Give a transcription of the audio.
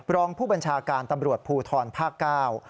รองผู้บัญชาการตำรวจภูทรภาคเก้า